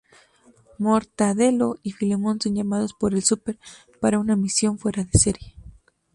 Mortadelo y Filemón son llamados por el Súper, para una misión "fuera de serie".